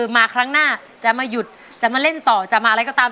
มาครั้งหน้าจะมาหยุดจะมาเล่นต่อจะมาอะไรก็ตาม